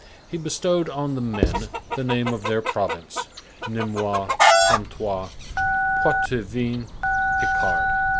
He bestowed on the men the name of their province: Nîmois, Comtois, Poitevin, Picard.